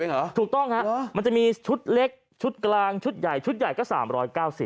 เองเหรอถูกต้องฮะมันจะมีชุดเล็กชุดกลางชุดใหญ่ชุดใหญ่ก็สามร้อยเก้าสิบ